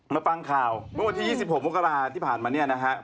ในประวัตรที๒๖พวกราที่ผ่านมานี่นะครับ